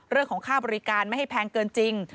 เรื่องของค่าบริการไม่ให้แพงเกินจริง